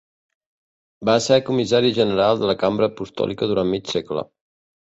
Va ser comissari general de la Cambra Apostòlica durant mig segle.